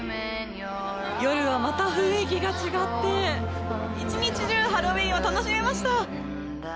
夜はまた雰囲気が違って一日中ハロウィーンを楽しめました。